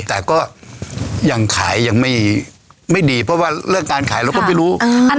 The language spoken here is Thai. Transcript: แต่ก็ยังขายยังไม่ดีเพราะว่าเรื่องการขายเราก็ไม่รู้